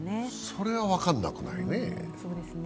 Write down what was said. それは分からなくないね。